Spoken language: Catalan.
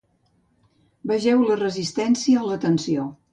Vegeu la resistència a la tensió.